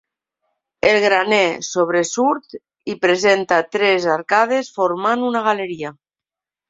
El graner, sobresurt, i presenta tres arcades formant una galeria.